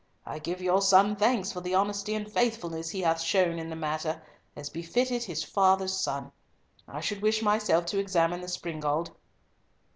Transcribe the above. I give your son thanks for the honesty and faithfulness he hath shown in the matter, as befitted his father's son. I should wish myself to examine the springald."